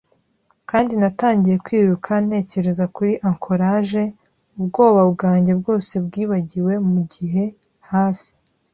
Kandi natangiye kwiruka nerekeza kuri ankorage, ubwoba bwanjye bwose bwibagiwe, mugihe hafi